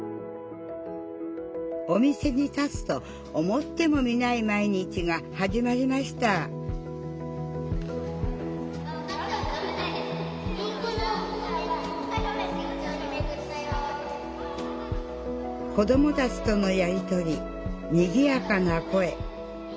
お店に立つと思ってもみない毎日が始まりました子どもたちとのやり取りにぎやかな声。